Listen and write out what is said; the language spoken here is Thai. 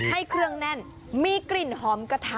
ให้เครื่องแน่นมีกลิ่นหอมกระทะ